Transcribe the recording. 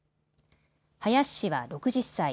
林氏は６０歳。